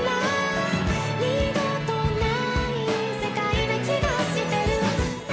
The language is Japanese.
「二度とない世界な気がしてる」